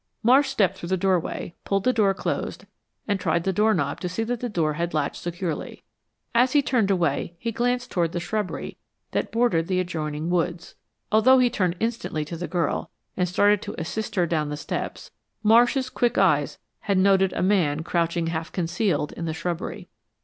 Marsh stepped through the doorway, pulled the door closed, and tried the knob to see that the door had latched securely. As he turned away, he glanced toward the shrubbery that bordered the adjoining woods. Although he turned instantly to the girl, and started to assist her down the steps, Marsh's quick eyes had noted a man crouching half concealed in the shrubbery.